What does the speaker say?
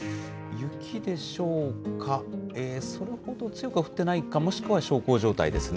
雪でしょうか、それほど強くは降っていないか、もしくは小康状態ですね。